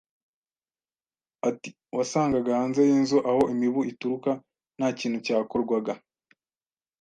Ati: "Wasangaga hanze y'inzu aho imibu ituruka nta kintu cyakorwaga